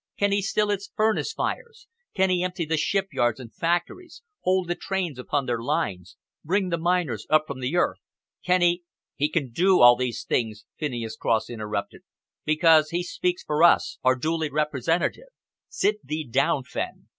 Can he still its furnace fires? Can he empty the shipyards and factories, hold the trains upon their lines, bring the miners up from under the earth? Can he " "He can do all these things," Phineas Cross interrupted, "because he speaks for us, our duly elected representative. Sit thee down, Fenn.